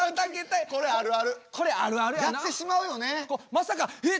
まさかえっ！